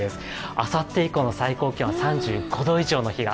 あさって以降の最高気温３５度以上の日が。